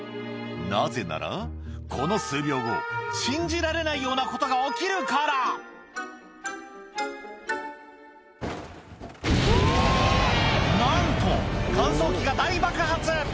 なぜならこの数秒後信じられないようなことが起きるからなんと乾燥機が大爆発！